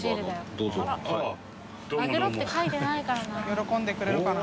喜んでくれるかな？